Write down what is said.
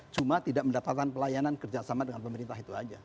cuma tidak mendapatkan pelayanan kerjasama dengan pemerintah itu aja